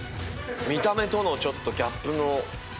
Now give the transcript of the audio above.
見た目とのちょっとギャップの。